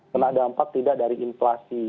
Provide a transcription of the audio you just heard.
kena dampak tidak dari inflasi